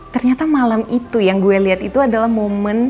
ternyata malam itu yang gue lihat itu adalah momen